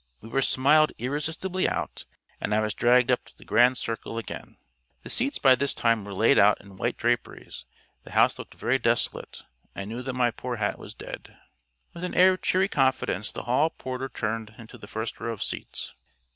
We were smiled irresistibly out, and I was dragged up to the grand circle again. The seats by this time were laid out in white draperies; the house looked very desolate; I knew that my poor hat was dead. With an air of cheery confidence the hall porter turned into the first row of seats....